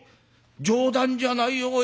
冗談じゃないよおい。